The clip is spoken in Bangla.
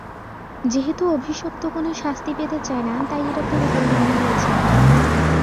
যেহেতু অভিশপ্ত কোনো শাস্তি পেতে চায় না, তাই এটা পুরোপুরি ভেঙে গেছে।